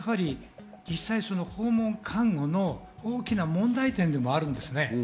実際、訪問看護の大きな問題点でもあるんですね。